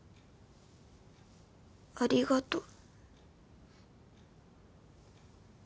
ありがとう。